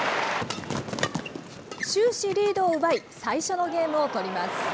終始、リードを奪い、最初のゲームを取ります。